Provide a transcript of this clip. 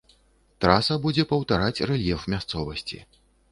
Траса будзе паўтараць рэльеф мясцовасці.